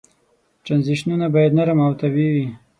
ترنزیشنونه باید نرم او طبیعي وي.